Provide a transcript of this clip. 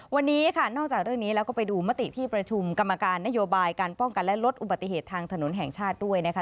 วันนี้ค่ะนอกจากเรื่องนี้แล้วก็ไปดูมติที่ประชุมกรรมการนโยบายการป้องกันและลดอุบัติเหตุทางถนนแห่งชาติด้วยนะคะ